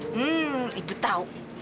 hmm ibu tahu